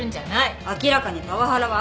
明らかにパワハラはあるんです。